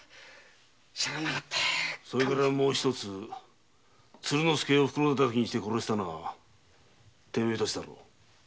それから鶴之助を袋たたきにして殺したのはテメェたちだろう